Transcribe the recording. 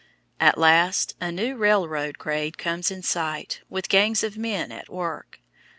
At last a new railroad grade comes in sight, with gangs of men at work.